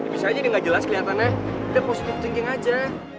bisa aja dia gak jelas keliatannya dia positive thinking aja